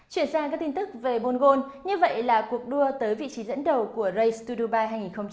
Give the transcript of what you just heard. chuyển sang các tin tức về bôn gôn như vậy là cuộc đua tới vị trí dẫn đầu của race to dubai hai nghìn một mươi sáu